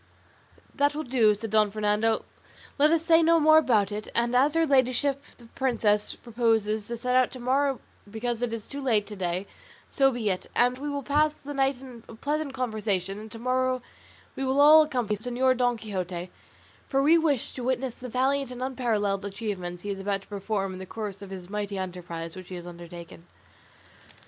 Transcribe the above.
"That will do," said Don Fernando; "let us say no more about it; and as her ladyship the princess proposes to set out to morrow because it is too late to day, so be it, and we will pass the night in pleasant conversation, and to morrow we will all accompany Señor Don Quixote; for we wish to witness the valiant and unparalleled achievements he is about to perform in the course of this mighty enterprise which he has undertaken."